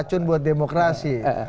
racun buat demokrasi